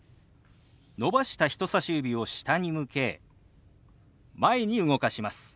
伸ばした人さし指を下に向け前に動かします。